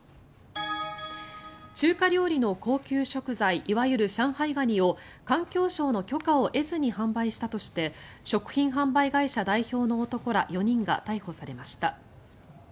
中華料理の高級食材いわゆる上海ガニを環境省の許可を得ずに販売したとして食品販売会社代表の男ら４人が逮捕されました。